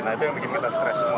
nah itu yang bikin kita stres